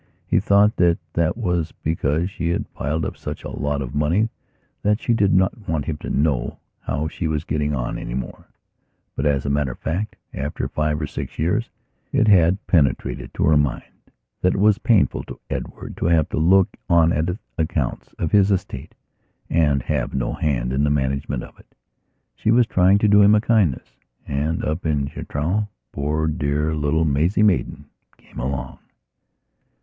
He thought that that was because she had piled up such a lot of money that she did not want him to know how she was getting on any more. But, as a matter of fact, after five or six years it had penetrated to her mind that it was painful to Edward to have to look on at the accounts of his estate and have no hand in the management of it. She was trying to do him a kindness. And, up in Chitral, poor dear little Maisie Maidan came along....